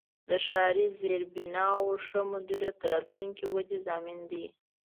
د ښاري زیربناوو ښه مدیریت د راتلونکې ودې ضامن دی.